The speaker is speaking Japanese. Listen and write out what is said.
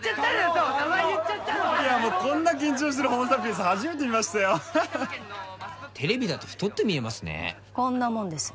そう名前言っちゃったのこんな緊張してるホモサピエンス初めて見ましたよテレビだと太って見えますねこんなもんです